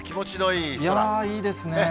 いいですねー。